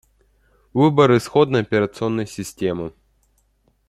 Выбор исходной операционной системы